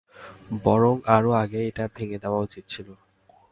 বরং আরও আগেই এটা ভেঙে দেওয়া উচিত ছিল।